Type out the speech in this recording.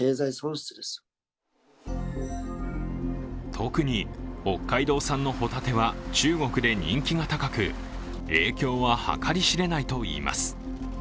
特に北海道産の帆立ては中国で人気が高く影響は計り知れないといいます。